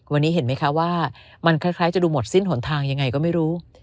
วันนี้เห็นไหมคะว่ามันคล้ายจะดูหมดสิ้นหนทางยังไงก็ไม่รู้